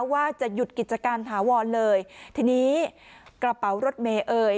ว่าจะหยุดกิจการถาวรเลยทีนี้กระเป๋ารถเมย์เอ่ย